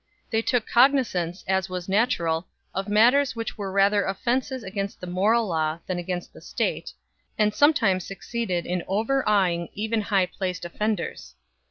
They took cognizance, as was natural, of matters which were rather offences against the moral law than against the state, and sometimes succeeded in overawing even high placed offenders.